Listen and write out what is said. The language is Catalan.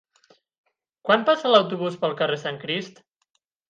Quan passa l'autobús pel carrer Sant Crist?